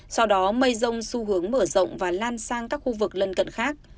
sau đó mây rông xu hướng mở rộng và lan sang các khu vực lân cận khác